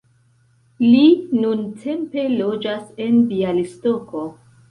Li nuntempe loĝas en Bjalistoko.